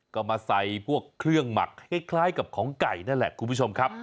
ก็มาใส่พวกเครื่องหมักคล้ายกับของไก่นั่นแหละคุณผู้ชมครับ